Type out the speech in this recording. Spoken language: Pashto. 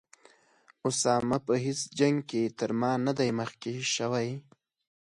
اسامه په هیڅ جنګ کې تر ما نه دی مخکې شوی.